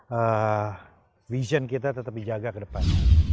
karena vision kita tetap dijaga ke depan